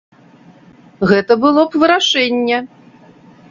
Гэта было б вырашэнне.